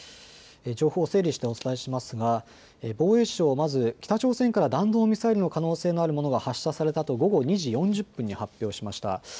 情報を整理してお伝えしますが防衛省、まず北朝鮮から弾道ミサイルの可能性があるものが発射されたと午後２時４０分に発表しました。